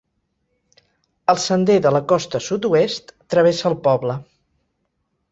El Sender de la Costa Sud-oest travessa el poble.